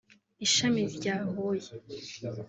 ishami rya Huye